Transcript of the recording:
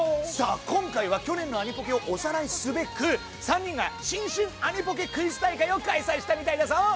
さあ今回は去年のアニポケをおさらいすべく３人が新春アニポケクイズ大会を開催したみたいだぞ。